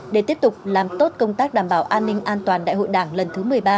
để tiếp tục làm tốt công tác đảm bảo an ninh an toàn đại hội đảng lần thứ một mươi ba